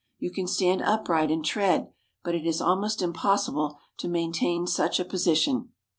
You can stand upright and tread, but it is almost impossible to maintain such a position.